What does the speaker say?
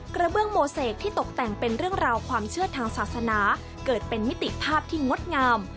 กระเบื้องโมเสกที่ตกแต่งเป็นเรื่องราวความเชื่อทางศาสนาเกิดเป็นมิติภาพที่งดงาม